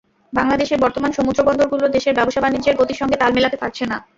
বাংলাদেশের বর্তমান সমুদ্রবন্দরগুলো দেশের ব্যবসা-বাণিজ্যের গতির সঙ্গে তাল মেলাতে পারছে না।